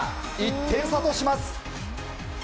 １点差とします。